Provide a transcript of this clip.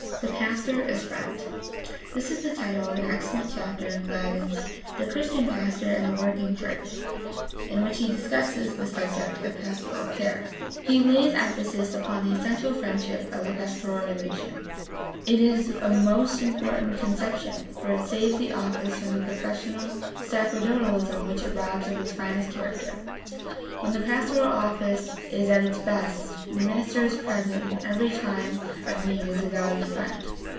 The pastor as friend. — This is the title of an excellent chapter in Gladden 's The Christian Pastor and the Working Church, in which he discusses the subject of pastoral care. 6 14 GUIDE TO STUDY OF CHRISTIAN RELIGION He lays emphasis upon the essential friendship of the pastoral relation. It is a most important conception, for it saves the office from the professional sacerdotalism which robs it of its finest character. When the pastoral office is at its best the minister is present in every time of need as a valued friend.